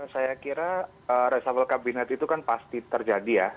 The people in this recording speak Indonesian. saya kira resafel kabinet itu kan pasti terjadi ya